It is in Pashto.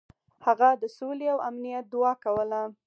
هغه د سولې او امنیت دعا کوله.